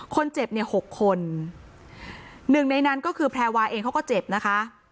คนเจ็บ๖คน๑ในนั้นก็คือแพราวาเองเขาก็เจ็บนะคะ